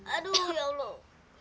aduh ya allah